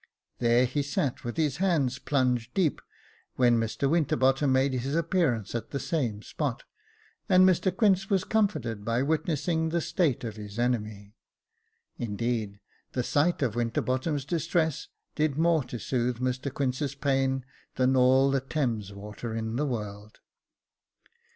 There he sat with his hands plunged deep, when Mr Winterbottom made his appear ance at the same spot, and Mr Quince was comforted by witnessing the state of his enemy. Indeed, the sight of Winterbottom's distress did more to soothe Mr Quince's pain, than all the Thames water in the world.